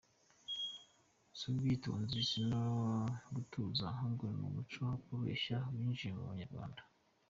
Si ubwitonzi si no gutuza ahubwo ni umuco wo kubeshya winjiye mu banyarwanda.